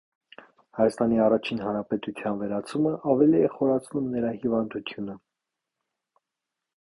Հայաստանի առաջին հանրապետության վերացումը ավելի է խորացնում նրա հիվանդությունը։